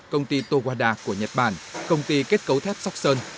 công ty toada của nhật bản công ty kết cấu thép sóc sơn